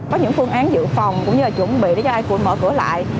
có những phương án dự phòng cũng như là chuẩn bị để cho ai cũng mở cửa lại